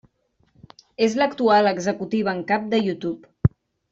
És l'actual executiva en cap de YouTube.